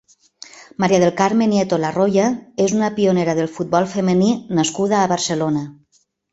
Maria del Carme Nieto Larroya és una pionera del futbol femení nascuda a Barcelona.